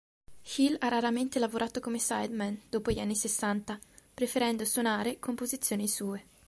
Hill ha raramente lavorato come sideman dopo gli anni sessanta, preferendo suonare composizioni sue.